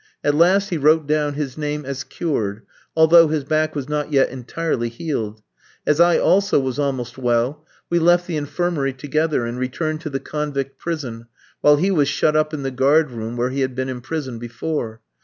At last he wrote down his name as cured, although his back was not yet entirely healed. As I also was almost well, we left the infirmary together and returned to the convict prison, while he was shut up in the guard room, where he had been imprisoned before.